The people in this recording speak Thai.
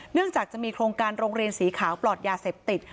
จากจะมีโครงการโรงเรียนสีขาวปลอดยาเสพติด